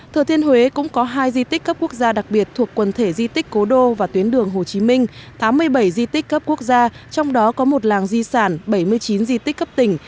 thừa thiên huế cũng có hai di tích cấp quốc gia đặc biệt thuộc quần thể di tích cố đô và tuyến đường hồ chí minh tám mươi bảy di tích cấp quốc gia trong đó có một làng di sản bảy mươi chín di tích cấp tỉnh